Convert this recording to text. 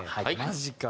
マジか。